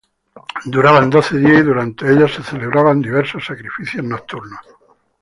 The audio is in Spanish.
Duraban doce días y, durante ellas, se celebraban diversos sacrificios nocturnos.